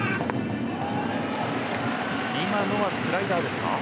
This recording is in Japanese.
今のはスライダーですか。